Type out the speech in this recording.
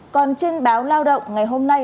còn trên báo lao động ngày hôm nay